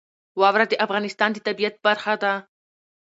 واوره د افغانستان د طبیعت برخه ده.